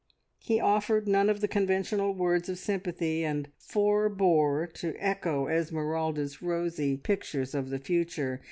He offered none of the conventional words of sympathy, and forebore to echo Esmeralda's rosy pictures of the future.